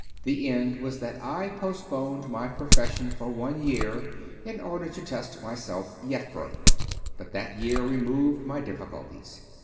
The end was that I postponed my profession for one year, in order to test myself yet further. But that year removed my difficulties.